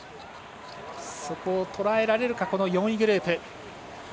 そこをとらえられるか４位グループ。